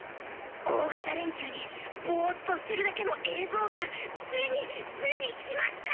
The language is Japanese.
大型連休にボーっとしてるだけの映像がついについにきました！